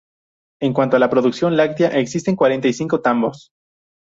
En cuanto a la producción láctea, existen cuarenta y cinco tambos.